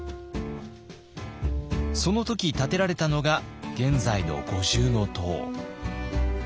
その時建てられたのが現在の五重塔。